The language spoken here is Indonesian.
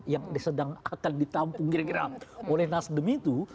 yang akan ditampung kira kira oleh nasdem itu